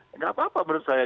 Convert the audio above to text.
tidak apa apa menurut saya